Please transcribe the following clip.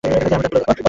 আমার দাঁতগুলো দেখো।